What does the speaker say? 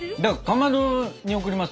かまどに贈りますよ。